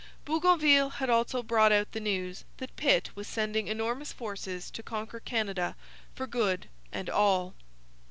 Bougainville had also brought out the news that Pitt was sending enormous forces to conquer Canada for good and all.